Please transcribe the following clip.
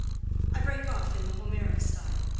"I break off in the Homeric style.